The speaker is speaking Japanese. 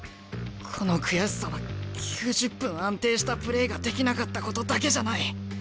この悔しさは９０分安定したプレーができなかったことだけじゃない。